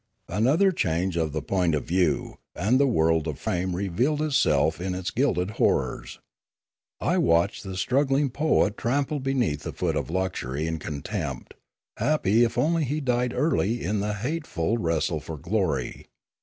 Another change of the point of view, and the world of fame revealed itself in its gilded horrors. I watched the struggling poet trampled beneath the foot of luxury and contempt, happy if only he died early in the hate ful wrestle for glory.